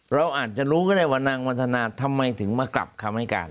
เราอาจจะรู้ก็ได้ว่านางวันธนาทำไมถึงมากลับคำให้การ